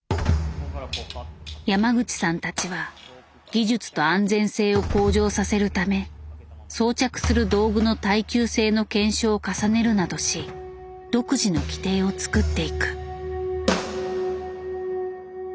山口さんたちは技術と安全性を向上させるため装着する道具の耐久性の検証を重ねるなどし独自の規定をつくっていく。